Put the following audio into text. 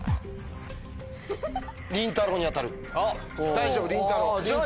大丈夫りんたろう。